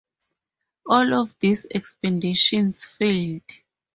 All of these expeditions failed.